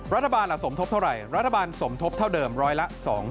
รัฐบาลล่ะสมทบเท่าไหร่รัฐบาลสมทบเท่าเดิมร้อยละ๒๐